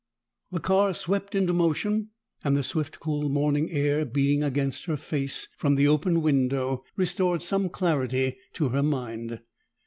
The car swept into motion, and the swift cool morning air beating against her face from the open window restored some clarity to her mind.